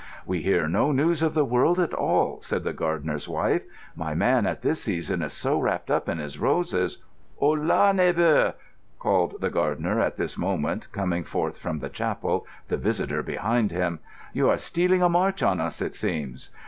"We hear no news of the world at all," said the gardener's wife. "My man at this season is so wrapped up in his roses——" "Holà, neighbour!" called the gardener at this moment, coming forth from the chapel, the visitor behind him. "You are stealing a march on us, it seems?